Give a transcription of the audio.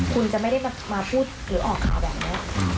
คุณจะไม่ได้มาพูดหรือออกข่าวแบบนี้